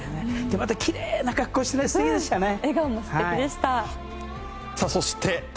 またきれいな格好して笑顔も素敵でした。